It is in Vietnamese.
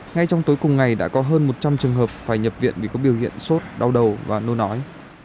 ngay trong tối cùng ngày đã có hơn một trăm linh trường hợp phải nhập viện vì có biểu hiện sốt đau đầu và nô nói